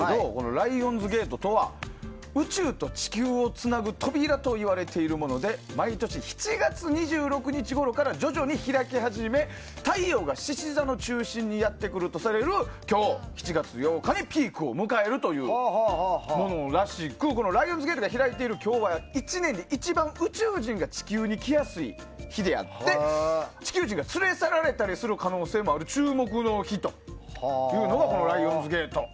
ライオンズゲートとは宇宙と地球をつなぐ扉といわれているもので毎年７月２６日ごろから徐々に開き始め太陽が獅子座の中心にやってくるとされる今日、８月８日にピークを迎えるものらしくライオンズゲートが開いている今日が１年で一番宇宙人が地球に来やすい日であって地球人が連れ去られる可能性がある注目の日というのがライオンズゲート。